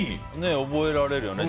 覚えられるよね。